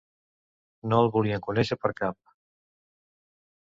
No el volien conèixer per cap.